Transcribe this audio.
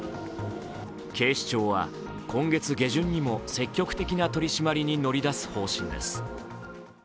警視庁は、今月下旬にも積極的な取締りに乗り出す方針です。